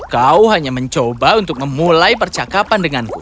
kau hanya mencoba untuk memulai percakapan denganku